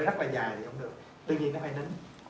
rất là dài thì không được tuy nhiên nó phải đánh